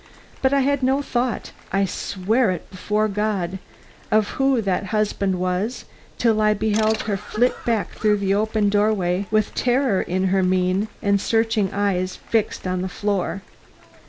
But I had no thought I swear it before God of who that husband was till I beheld her flit back through the open doorway, with terror in her mien and searching eyes fixed on the floor.